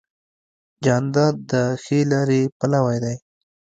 جانداد د ښې لارې پلوی دی.